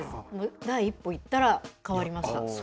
第一歩行ったら、変わりました。